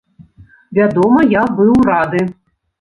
Вядома, я быў рады.